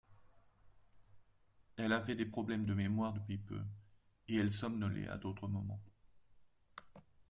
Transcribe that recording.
elle avait des problèmes de mémoire depuis peu et elle somnolait à d'autres moments.